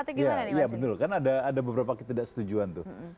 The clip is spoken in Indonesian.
iya bener kan ada beberapa ketidak setujuan tuh